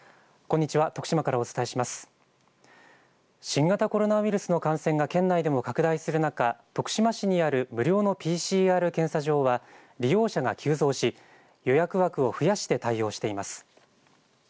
新型コロナウイルスの感染が県内でも拡大する中、徳島市にある無料のＰＣＲ検査場は利用者が急増し予約枠を増やして対応しています。